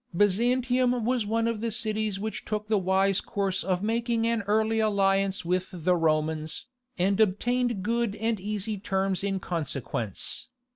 Byzantium was one of the cities which took the wise course of making an early alliance with the Romans, and obtained good and easy terms in consequence.